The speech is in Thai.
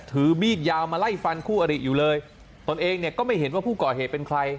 ถือมีดยาวมาไล่ฟันคู่อริอยู่เลยตนเองเนี่ยก็ไม่เห็นว่าผู้ก่อเหตุเป็นใคร